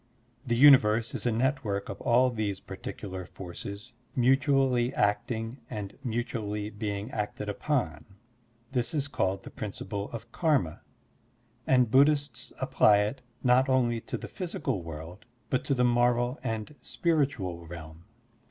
The universe is a network of all these particular forces mutually acting and mutually being acted upon, This is called the principle of karma, and Buddhists apply it not only to the physical world but to the moral and spiritual realm.